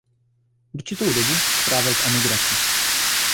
Určitou dobu strávil v emigraci.